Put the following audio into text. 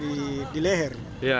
sampai di leher